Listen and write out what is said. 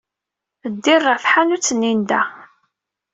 Ddiɣ ɣer tḥanut-nni n da.